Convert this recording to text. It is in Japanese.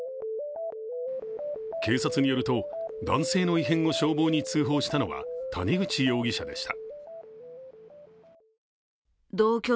警察によると、男性の異変を消防に通報したのは谷口容疑者でした。